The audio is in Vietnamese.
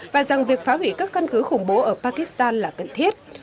và rằng việc phá hủy các căn cứ khủng bố ở pakistan là cần thiết